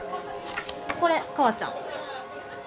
これカワちゃん